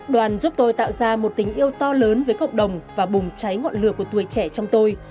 đoàn giúp tôi tạo ra một tình yêu to lớn với cộng đồng và bùng cháy ngọn lửa của tuổi trẻ trong tôi